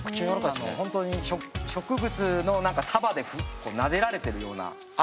ほんとに植物の何か束でこうなでられてるような。